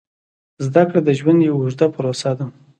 زده کړه د ژوند یوه اوږده پروسه ده.